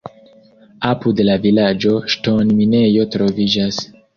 Apud la vilaĝo ŝtonminejo troviĝas.